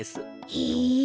へえ。